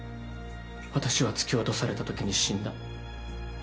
私は突き落とされたときに死んだ。